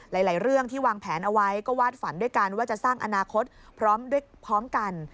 หลายเรื่องที่วางแผนเอาไว้ก็วาดฝันด้วยกันว่าจะสร้างอนาคตพร้อมกัน